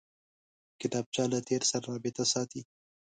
کتابچه له تېر سره رابطه ساتي